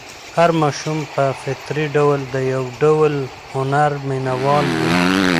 هر ماشوم په فطري ډول د یو ډول هنر مینه وال وي.